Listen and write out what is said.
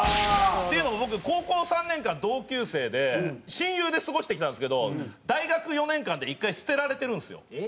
っていうのも僕高校３年間同級生で親友で過ごしてきたんですけど大学４年間で１回捨てられてるんですよ。